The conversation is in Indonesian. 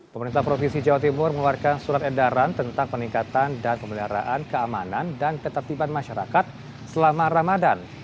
pemerintah provinsi jawa timur mengeluarkan surat edaran tentang peningkatan dan pemeliharaan keamanan dan ketertiban masyarakat selama ramadan